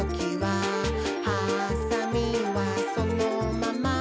「はさみはそのまま、」